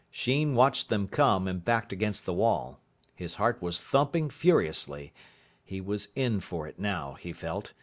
Sheen watched them come, and backed against the wall. His heart was thumping furiously. He was in for it now, he felt.